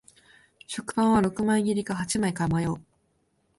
食パンは六枚切りか八枚か迷う